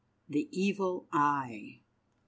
THE EVIL EYE. I.